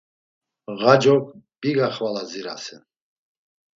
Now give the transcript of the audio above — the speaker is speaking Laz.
Ğaç̌ok biga xvala dzirasen.